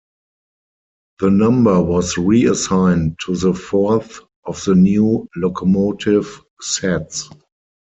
The number was reassigned to the fourth of the new locomotive sets.